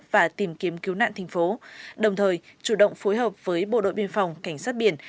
và tìm kiếm cứu nạn thành phố đồng thời chủ động phối hợp với bộ đội biên phòng cảnh sát biển